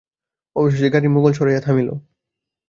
অবশেষে গাড়ি মোগলসরাইয়ে থামিল।